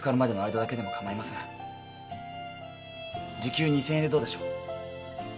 時給２，０００円でどうでしょう？